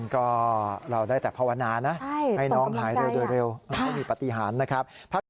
ก็เราได้แต่พาวนานะให้น้องหายเร็วมีปฏิหารนะครับพระเจ้า